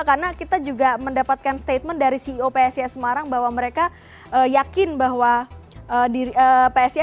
karena kita juga mendapatkan statement dari ceo psys semarang bahwa mereka yakin bahwa psys akan melepas pemainnya